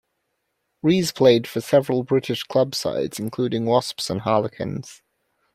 Rees played for several British club sides, including Wasps and Harlequins.